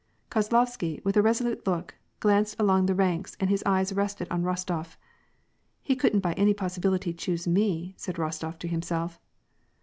Kozlovsky, with a resolute look, glanced along the rankb, and his eyes rested on Eostof. " He couldn't by any possibility choose me ?" said Eostof to himself.